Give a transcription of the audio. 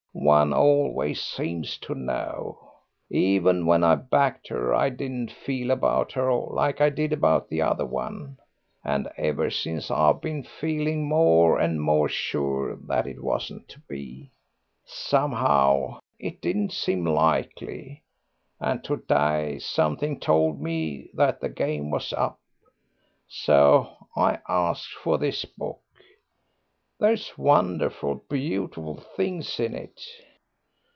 One always seems to know. Even when I backed her I didn't feel about her like I did about the other one, and ever since I've been feeling more and more sure that it wasn't to be. Somehow it didn't seem likely, and to day something told me that the game was up, so I asked for this book.... There's wonderful beautiful things in it."